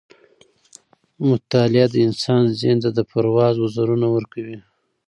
مطالعه د انسان ذهن ته د پرواز وزرونه ورکوي.